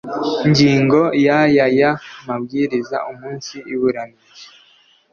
ngingo ya y aya mabwiriza Umunsi iburanisha